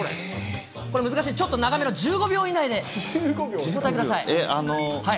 これ難しい、ちょっと長めの１５秒以内でお答えください。